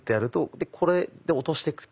でこれで落としてくと。